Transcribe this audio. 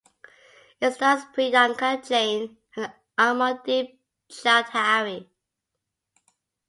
It stars Priyanka Jain and Amardeep Chowdhary.